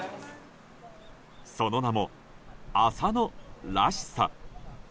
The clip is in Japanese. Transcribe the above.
その名も「朝のらしさ」。